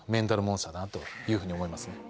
だなというふうに思いますね。